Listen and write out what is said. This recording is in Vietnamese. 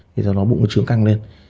thì sau đó bụng nó trướng căng lên